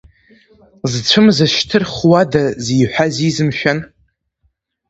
Зцәызма шьҭырхуада зиҳәазиз мшәан?